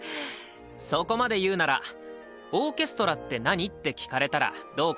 そこまで言うなら「オーケストラって何？」って聞かれたらどう答える？